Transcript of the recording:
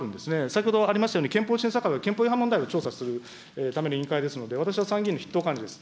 先ほどありましたように、憲法審査会は違反問題を調査するための委員会ですので、私は参議院の筆頭幹事です。